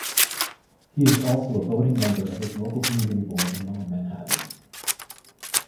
He is also a voting member of his local community board in lower Manhattan.